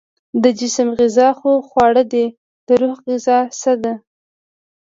د جسم غذا خو خواړه دي، د روح غذا څه ده؟